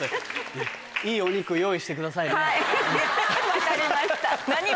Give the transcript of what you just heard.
はい分かりました。